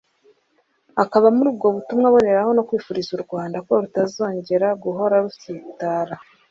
Akaba muri ubwo butumwa aboneraho no kwifuriza u Rwanda ko rutazongera guhora rusitara